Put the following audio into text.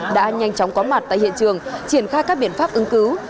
đã nhanh chóng có mặt tại hiện trường triển khai các biện pháp ứng cứu